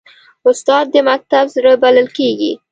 استاد د مکتب زړه بلل کېږي.